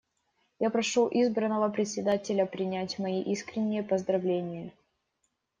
Я прошу избранного Председателя принять мои искренние поздравления.